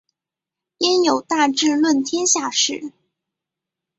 焉有大智论天下事！